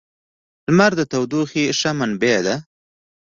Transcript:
• لمر د تودوخې ښه منبع ده.